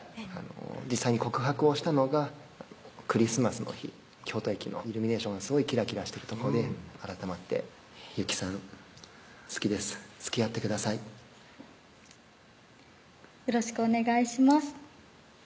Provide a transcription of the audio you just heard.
実際に告白をしたのがクリスマスの日京都駅のイルミネーションがすごいキラキラしてるとこで改まって「由季さん好きです付き合ってください」「よろしくお願いします」